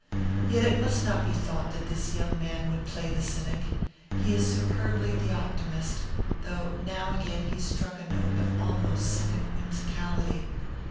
"Yet it must not be thought that this young man would play the cynic. He is superbly the optimist, though now again he struck a note of almost cynic whimsicality.